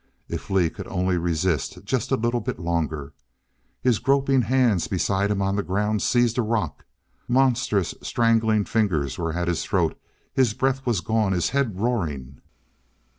If Lee could only resist just a little bit longer! His groping hands beside him on the ground seized a rock. Monstrous strangling fingers were at this throat his breath was gone, his head roaring.